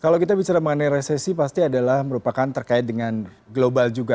kalau kita bicara mengenai resesi pasti adalah merupakan terkait dengan global juga